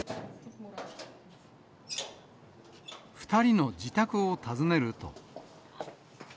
２人の自宅を訪ねると。